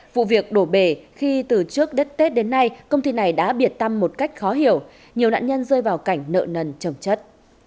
vụ việc đổ bể khi từ trước đất tết đến nay công ty này đã biệt tâm một cách khó hiểu nhiều nạn nhân rơi vào cảnh nợ nần trồng chất